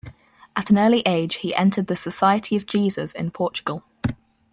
At an early age he entered the Society of Jesus in Portugal.